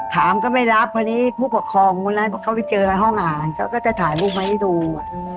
ถามก็ไม่รับเพราะนี้ผู้ปกครองเมื่อนั้นเขาไปเจอในห้องอ่านเขาก็จะถ่ายรูปไว้ให้ดูอืม